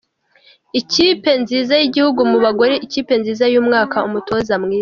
Ikipi nziza y’igihugu mu bagore, ikipe nziza y’umwaka, Umutoza mwiza.